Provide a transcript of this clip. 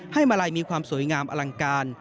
มาลัยมีความสวยงามอลังการ